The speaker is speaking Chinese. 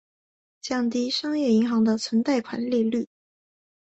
降低商业银行的存贷款利率。